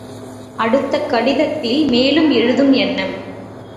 அடுத்த கடிதத்தில் மேலும் எழுத எண்ணம்!